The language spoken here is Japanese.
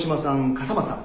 笠松さん